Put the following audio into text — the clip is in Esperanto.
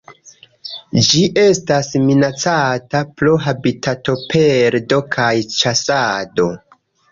Ĝi estas minacata pro habitatoperdo kaj ĉasado.